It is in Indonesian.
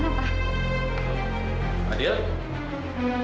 nggak ada pak